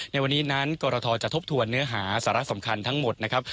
ในวันนี้นั้นกรทจะทบทวนเนื้อหาสาระสำคัญทั้งหมดนะครับ